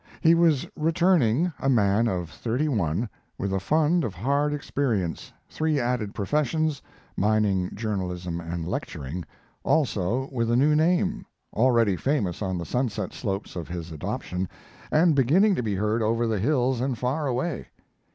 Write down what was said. He was returning a man of thirty one, with a fund of hard experience, three added professions mining, journalism, and lecturing also with a new name, already famous on the sunset slopes of its adoption, and beginning to be heard over the hills and far away.